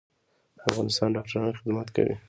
د افغانستان ډاکټران خدمت کوي